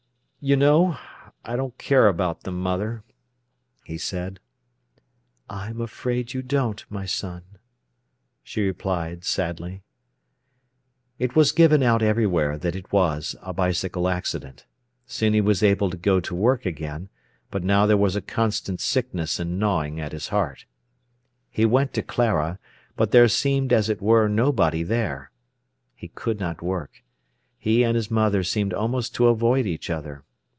"You know, I don't care about them, mother," he said. "I'm afraid you don't, my son," she replied sadly. It was given out everywhere that it was a bicycle accident. Soon he was able to go to work again, but now there was a constant sickness and gnawing at his heart. He went to Clara, but there seemed, as it were, nobody there. He could not work. He and his mother seemed almost to avoid each other.